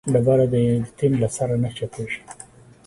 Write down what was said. ډبره د يتيم له سره نه چپېږي.